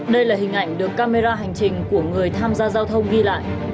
đây là hình ảnh được camera hành trình của người tham gia giao thông ghi lại